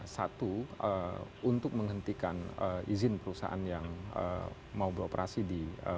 satu untuk menghentikan izin perusahaan yang mau beroperasi di